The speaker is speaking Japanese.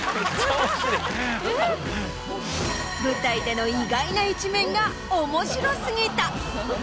舞台での意外な一面が面白過ぎた。